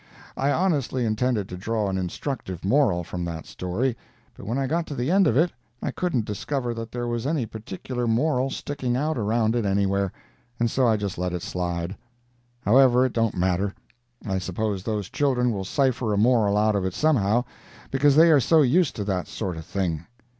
I honestly intended to draw an instructive moral from that story, but when I got to the end of it I couldn't discover that there was any particular moral sticking out around it anywhere, and so I just let it slide. However, it don't matter. I suppose those children will cipher a moral out of it somehow, because they are so used to that sort of thing.